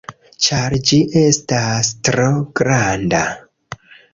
Ĉar ĝi estas tro granda?